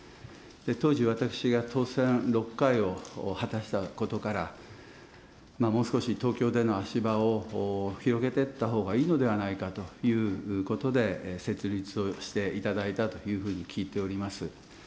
当時、私が当選６回を果たしたことから、もう少し東京での足場を広げていったほうがいいのではないかということで、設立をしていただいたというふうに聞いております。